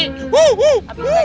tapi saya kena kena apa